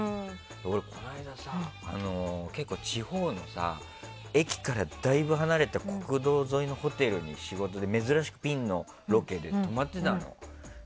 俺、この間さ結構、地方のさ駅からだいぶ離れた国道沿いのホテルに仕事で、珍しくピンのロケで泊まってたの。